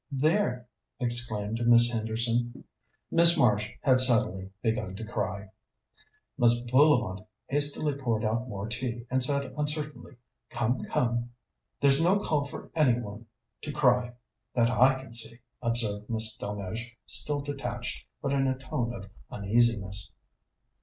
"There!" exclaimed Miss Henderson. Miss Marsh had suddenly begun to cry. Mrs. Bullivant hastily poured out more tea, and said uncertainly: "Come, come!" "There's no call for any one to cry, that I can see," observed Miss Delmege, still detached, but in a tone of uneasiness.